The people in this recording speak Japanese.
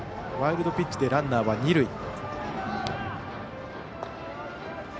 ワイルドピッチでランナーは二塁。